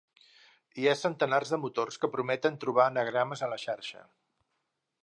Hi ha centenars de motors que prometen trobar anagrames a la xarxa.